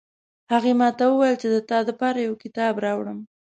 هغې ماته وویل چې د تا د پاره یو کتاب راوړم